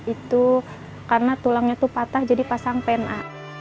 itu karena tulangnya patah jadi pasang pna